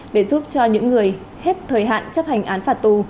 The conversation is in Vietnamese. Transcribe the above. để giúp cho những người hết thời hạn chấp hành án phạt tù